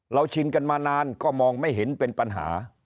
ชินกันมานานก็มองไม่เห็นเป็นปัญหา